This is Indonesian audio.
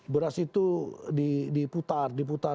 beras itu diputar